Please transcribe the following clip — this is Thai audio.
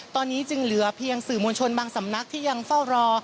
ตอนนี้จึงเหลือเพียงสื่อมวลชนบางสำนักที่ยังเฝ้ารอ